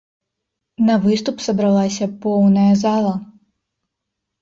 На выступ сабралася поўная зала!